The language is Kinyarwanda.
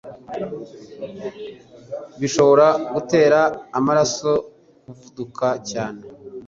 bishobora gutera amaraso kuvuduka cyane.